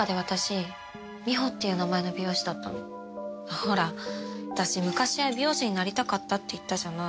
ほら私昔は美容師になりたかったって言ったじゃない。